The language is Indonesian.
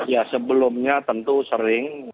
ya sebelumnya tentu sering